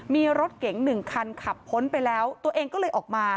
มีรถเก๋งหนึ่งคันขับพ้นไปแล้วตัวเองก็เลยออกมา